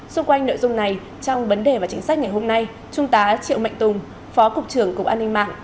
xung quanh nội dung này trong vấn đề và chính sách ngày hôm nay trung tá triệu mạnh tùng phó cục trưởng cục an ninh mạng